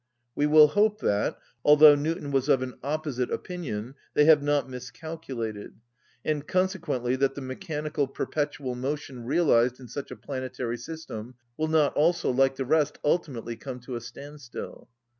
We will hope that, although Newton was of an opposite opinion, they have not miscalculated, and consequently that the mechanical perpetual motion realised in such a planetary system will not also, like the rest, ultimately come to a standstill.